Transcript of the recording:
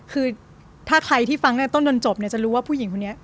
คือถ้าใครที่ฟังตั้งแต่ต้นจนจบจะรู้ว่าผู้หญิงคนนี้